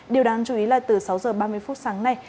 điều đáng chú ý là từ sáu giờ ba mươi phút sáng nay